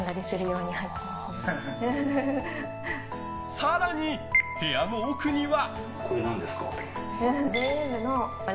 更に、部屋の奥には。